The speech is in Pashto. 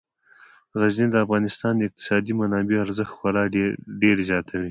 غزني د افغانستان د اقتصادي منابعو ارزښت خورا ډیر زیاتوي.